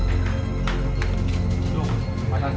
ikut aku ke ruang tengah